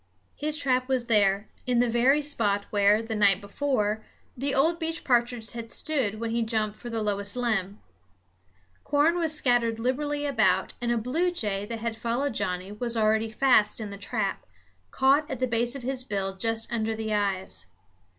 His trap was there, in the very spot where, the night before, the old beech partridge had stood when he jumped for the lowest limb. Corn was scattered liberally about, and a bluejay that had followed Johnnie was already fast in the trap, caught at the base of his bill just under the eyes.